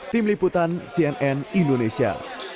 tim liputan cnn indonesia